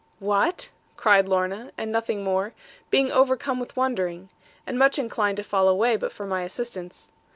'What!' cried Lorna; and nothing more; being overcome with wondering; and much inclined to fall away, but for my assistance.